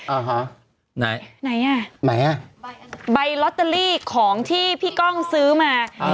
อ่าฮะไหนไหนอ่ะไหนอ่ะใบลอตเตอรี่ของที่พี่ก้องซื้อมา